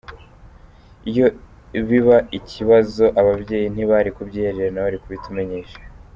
Iyo biba ikibazo ababyeyi ntibari kubyihererana bari kubitumenyesha.